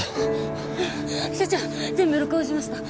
全部録音しました！